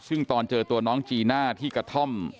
ซึ่งตอนเจอตัวน้องจีน่าที่กระท่อม